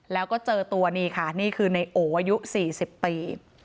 แล้วก็เจอตัวนี่ค่ะนี่คือในโออายุ๔๐ปี